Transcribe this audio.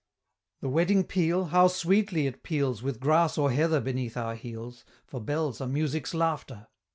The wedding peal, how sweetly it peals With grass or heather beneath our heels, For bells are Music's laughter!